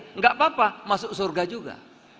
tidak apa apa masuk surga juga